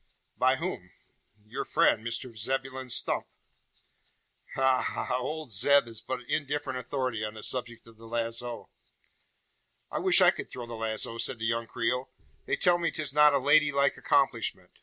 "By whom?" "Your friend, Mr Zebulon Stump." "Ha ha! Old Zeb is but indifferent authority on the subject of the lazo." "I wish I could throw the lazo," said the young Creole. "They tell me 'tis not a lady like accomplishment.